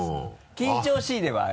緊張しいではある？